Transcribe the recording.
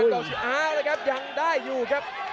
นี่ครับยังได้อยู่ครับ